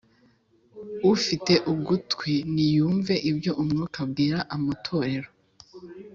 “Ufite ugutwi niyumve ibyo Umwuka abwira amatorero.